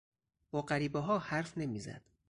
با غریبهها حرف نمیزند.